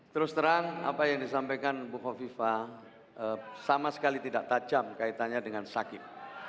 terus terang apa yang disampaikan bu kofifa sama sekali tidak tajam kaitannya dengan sakit